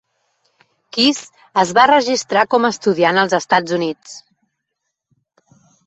Kiss es va registrar com a estudiant als Estats Units.